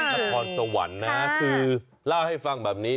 นครสวรรค์นะฮะคือเล่าให้ฟังแบบนี้